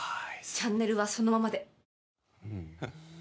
チャンネルはそのままで。